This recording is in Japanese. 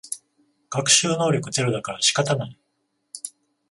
学習能力ゼロだから仕方ない